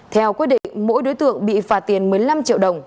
theo quyết định mỗi đối tượng bị phạt tiền một mươi năm triệu đồng